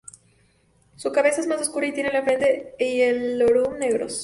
Su cabeza es más oscura y tiene la frente y el lorum negros.